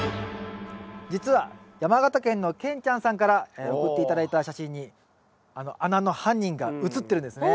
実は山形県のケンちゃんさんから送って頂いた写真にあの穴の犯人が写ってるんですね。